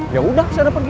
yaudah saya udah pergi